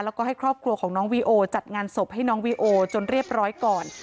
แล้วก็ให้ครอบครัวของน้องวีโอจัดงานศพให้น้องวีโอจนเรียบร้อยก่อน